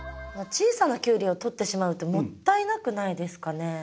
小さなキュウリを取ってしまうってもったいなくないですかね？